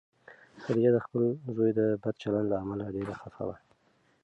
خدیجه د خپل زوی د بد چلند له امله ډېره خفه وه.